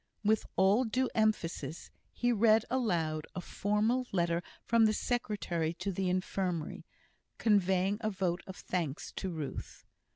With all due emphasis he read aloud a formal letter from the Secretary to the Infirmary, conveying a vote of thanks to Ruth.